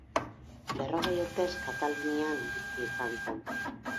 Berrogei urtez Katalunian bizi izan zen.